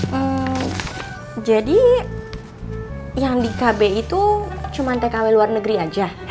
hmm jadi yang di kb itu cuma tkw luar negeri aja